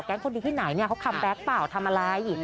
แก๊งคนดีที่ไหนเขากับล่าวเปล่าทำอะไร